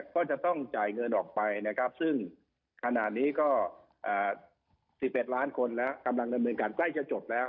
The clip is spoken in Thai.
ก็จะต้องจ่ายเงินออกไปนะครับซึ่งขณะนี้ก็๑๑ล้านคนแล้วกำลังดำเนินการใกล้จะจบแล้ว